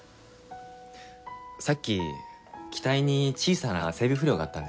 さっき機体に小さな整備不良があったんです。